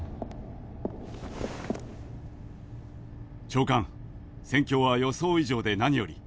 長官戦況は予想以上で何より。